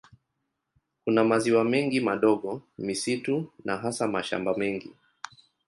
Kuna maziwa mengi madogo, misitu na hasa mashamba mengi.